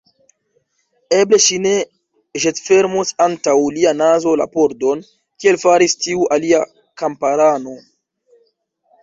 Eble ŝi ne ĵetfermos antaŭ lia nazo la pordon, kiel faris tiu alia kamparano.